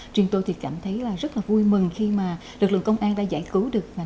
trên tôi thì cảm thấy rất là vui mừng khi mà lực lượng công an đã giải cứu được